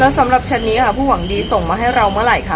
แล้วสำหรับแชทนี้ผู้หวังดีส่งมาให้เราเมื่อไหร่คะ